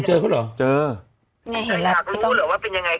ไม่ห่ารูหรือว่าเป็นยังไง